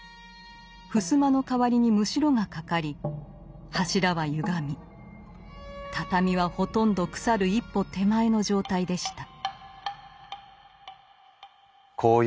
ふすまの代わりにムシロがかかり柱はゆがみ畳はほとんど腐る一歩手前の状態でした。